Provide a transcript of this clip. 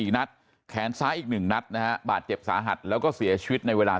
นัดแขนซ้ายอีก๑นัดนะฮะบาดเจ็บสาหัสแล้วก็เสียชีวิตในเวลา